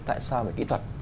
tại sao về kỹ thuật